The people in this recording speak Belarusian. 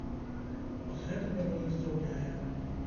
Вось гэта мяне і здзіўляе.